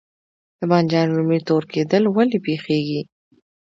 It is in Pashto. د بانجان رومي تور کیدل ولې پیښیږي؟